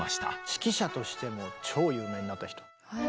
指揮者としても超有名になった人。